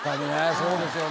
そうですよね。